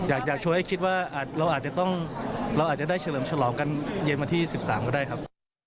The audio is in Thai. อยากชวนให้คิดว่าเราอาจจะต้องเราอาจจะได้เฉลิมฉลองกันเย็นวันที่๑๓ก็ได้ครับ